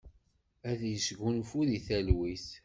Ad yesgunfu di talwit.